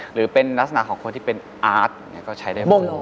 หรือเป็นนักศนาของคนที่เป็นอาร์ตก็ใช้ได้มาก